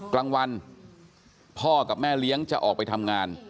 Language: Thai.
กลางวันพ่อกับแม่เลี้ยงจะออกไปทำงาน